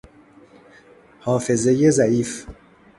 حافظهی ضعیف